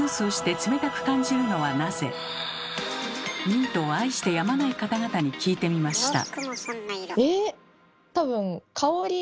ミントを愛してやまない方々に聞いてみました。